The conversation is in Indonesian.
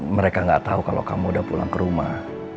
mereka gak tau kalau kamu udah pulang ke rumah